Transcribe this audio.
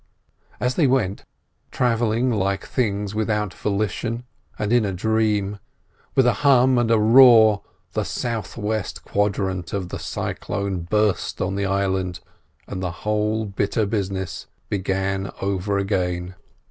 As they went, travelling like things without volition and in a dream, with a hum and a roar the south west quadrant of the cyclone burst on the island, and the whole bitter business began over again.